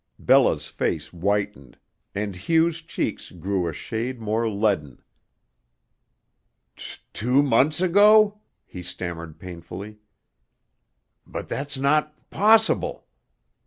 Bella's face whitened, and Hugh's cheeks grew a shade more leaden. "T two months ago!" he stammered painfully; "but that's not p possible.